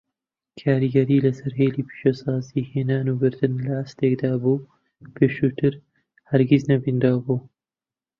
کاریگەری لەسەر هێڵی پیشەسازی هێنان و بردن لە ئاستێکدا بوو پێشووتر هەرگیز نەبینرابوو.